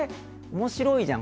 面白いじゃん